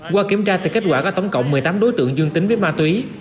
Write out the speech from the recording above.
qua kiểm tra thì kết quả có tổng cộng một mươi tám đối tượng dương tính với ma túy